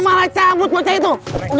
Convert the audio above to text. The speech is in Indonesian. malah cabut baca itu